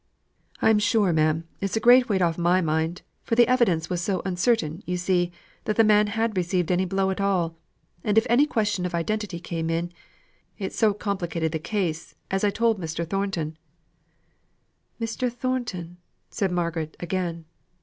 "I'm sure, ma'am, it's a great weight off my mind; for the evidence was so uncertain, you see, that the man had received any blow at all, and if any question of identity came in, it so complicated the case, as I told Mr. Thornton " "Mr. Thornton!" said Margaret again.